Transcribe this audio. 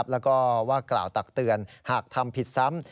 แล้วก็ว่ากล่าวตักเตือนหากทำผิดซ้ำ